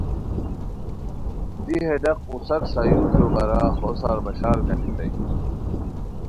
دی ہے ڈاق اوساک سایورجو بارا ہو سار بشارگانیتائے